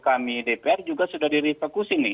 kami dpr juga sudah direfokusing